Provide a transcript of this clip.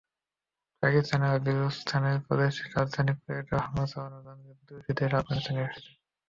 পাকিস্তানের বেলুচিস্তান প্রদেশের রাজধানী কোয়েটায় হামলা চালানো জঙ্গিরা প্রতিবেশী দেশ আফগানিস্তান থেকে আসে।